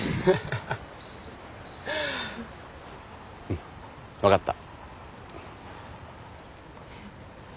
うん分かった。